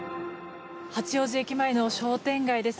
八王子駅前の商店街です。